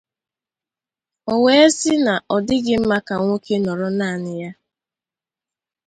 o wee sị na ọ dịghị mma ka nwoke nọrọ naanị ya